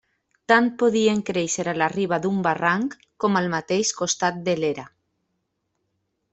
Tant podien créixer a la riba d'un barranc com al mateix costat de l'era.